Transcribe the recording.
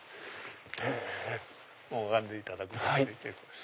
拝んでいただくだけで結構です。